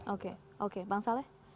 oke oke bang saleh